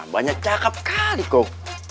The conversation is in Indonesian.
banyak cakap kali kau